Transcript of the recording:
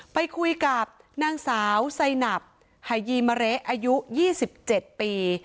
ไปคุยกับนางสาวไซนับหายีมะเละอายุ๒๗ปี